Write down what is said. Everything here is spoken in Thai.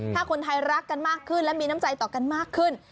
ถ้าคนไทยรักกันมากขึ้นและมีน้ำใจต่อกันมากขึ้น